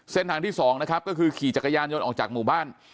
เส้นทางที่สองก็คือขี่จักรยานยนต์ออกจากหมู่บ้าน